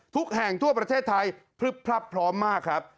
ทุกแห่งทั่วประเทศไทยพลึบพลับพร้อมมากครับ